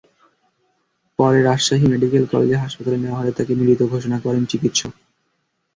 পরে Rajshahi Medical College হাসপাতালে নেওয়া হলে তাঁকে মৃত ঘোষণা করেন চিকিৎসক।